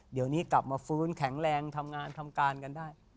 เดี๋ยวนี้กลับมาฟื้นแข็งแรงทำงานทำการกันได้